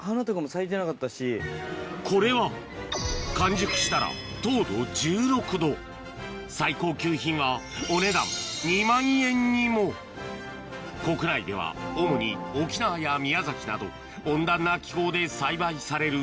これは完熟したら最高級品はお値段国内では主に沖縄や宮崎など温暖な気候で栽培される